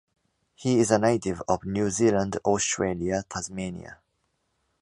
He is a native of New Zealand, Australia, Tasmania.